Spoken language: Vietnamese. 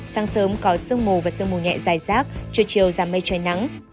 sáng sớm có sương mù và sương mù nhẹ dài rác trưa chiều giảm mây trời nắng